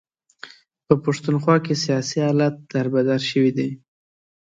په پښتونخوا کې سیاسي حالات در بدر شوي دي.